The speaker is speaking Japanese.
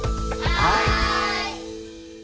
はい！